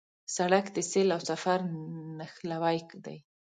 سړک د سیل او سفر نښلوی دی.